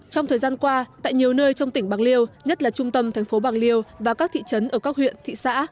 trong thời gian qua tại nhiều nơi trong tỉnh bạc liêu nhất là trung tâm thành phố bạc liêu và các thị trấn ở các huyện thị xã